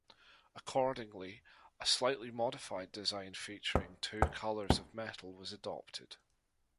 Accordingly, a slightly modified design featuring two colours of metal was adopted.